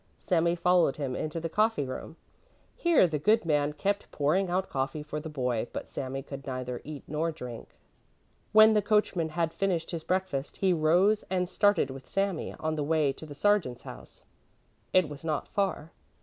Sami followed him into the coffee room. Here the good man kept pouring out coffee for the boy, but Sami could neither eat nor drink. When the coachman had finished his breakfast, he rose and started with Sami on the way to the sergeant's house. It was not far.